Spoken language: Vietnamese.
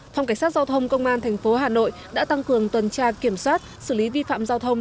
phòng cảnh sát giao thông công an tp hà nội đã tăng cường tuần tra kiểm soát xử lý vi phạm giao thông